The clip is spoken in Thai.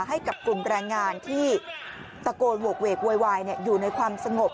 ให้กับกลุ่มแรงงานที่ตะโกนโหกเวกโวยวายอยู่ในความสงบ